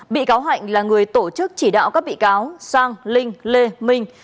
bị cáo hạnh là người tổ chức chỉ đạo các bị cáo sang linh lê minh